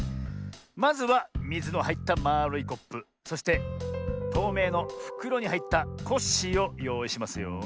まずはみずのはいったまあるいコップそしてとうめいのふくろにはいったコッシーをよういしますよ。